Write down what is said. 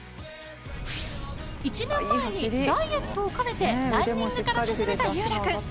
１年前にダイエットを兼ねてランニングから始めた優来君。